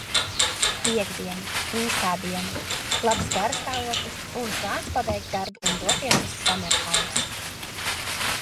Piektdiena, īsā diena, labs garastāvoklis un plāns pabeigt darbu un doties uz sammerhausu.